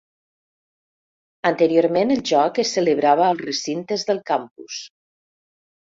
Anteriorment el joc es celebrava als recintes del campus.